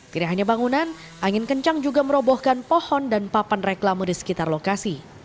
tidak hanya bangunan angin kencang juga merobohkan pohon dan papan reklama di sekitar lokasi